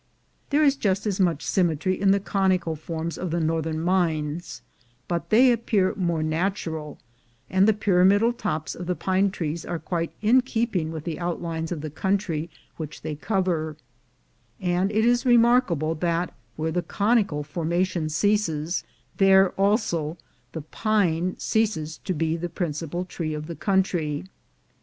There is just as much symmetry in the conical forms of the northern mines, but they appear more natural, and the pyramidal tops of the pine trees are quite in keeping with the outlines of the country which they cover; and it is remarkable that where the conical formation ceases, there also the pine ceases to be the principal tree of the country.